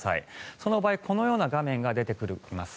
その場合このような画面が出てきます。